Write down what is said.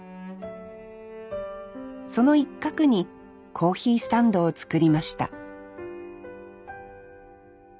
その一角にコーヒースタンドを作りました